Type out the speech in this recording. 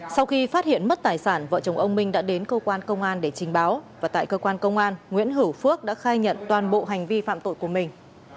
sau khi phát hiện mất tài sản vợ chồng ông minh đã đến cơ quan công an để trình báo và tại cơ quan công an nguyễn hữu phước đã khai nhận toàn bộ hành vi phạm tội của mình